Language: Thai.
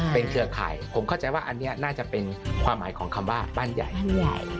ผมเข้าใจว่าอันนี้น่าจะเป็นความหมายของคำว่าบ้านใหญ่